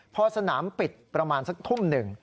พอสนามปิดประมาณสักทุ่มหนึ่ง